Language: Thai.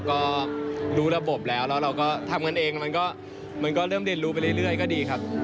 ก็รู้ระบบแล้วแล้วเราก็ทำกันเองมันก็เริ่มเรียนรู้ไปเรื่อยก็ดีครับ